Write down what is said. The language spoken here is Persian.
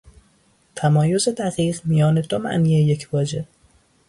تمایز دقیق میان دو معنی یک واژه